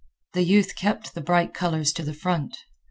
The youth kept the bright colors to the front.